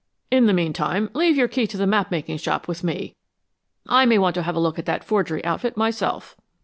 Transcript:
In the meantime, leave your key to the map making shop with me. I may want to have a look at that forgery outfit myself."